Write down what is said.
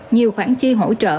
nhiều khoản chi hỗ trợ